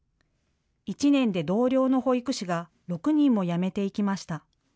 １年で同僚の保育士が６人も辞めていきました。